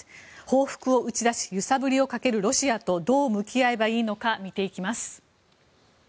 報復を打ち出し揺さぶりをかけるロシアとどう向き合えばいいのか見ていきます。